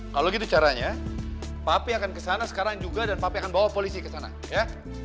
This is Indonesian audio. kalau gitu caranya papi akan kesana sekarang juga dan papi akan bawa polisi ke sana ya